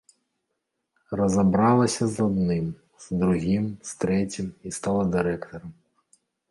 Разабралася з адным, з другім, з трэцім, і стала дырэктарам.